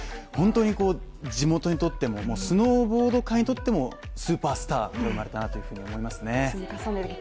本当に地元にとってもスノーボード界にとってもスーパースターだなというふうに思いますね。